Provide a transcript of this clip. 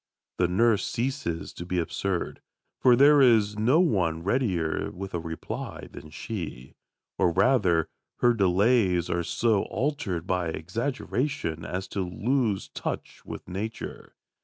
The nurse ceases to be absurd, for there is no one readier with a reply than she. Or, rather, her delays are so altered by exaggeration as to lose touch with Nature.